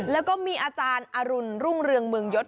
แล้วก็มีอาจารย์อรุณรุ่งเรืองเมืองยศ